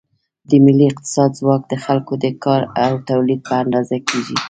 د ملي اقتصاد ځواک د خلکو د کار او تولید په اندازه کېږي.